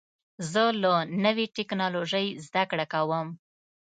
زه له نوې ټکنالوژۍ زده کړه کوم.